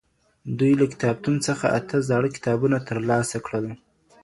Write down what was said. دوی له کتابتون څخه اته زاړه کتابونه ترلاسه کړل.